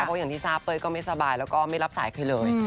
เพราะอย่างที่ทราบเป๋ยก็ไม่สบายและเข็ดสายเคยเลย